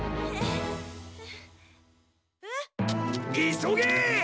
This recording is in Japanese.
急げ！